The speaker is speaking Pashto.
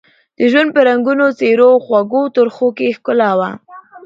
د ژوند په رنګونو، څېرو او خوږو او ترخو کې ښکلا وه.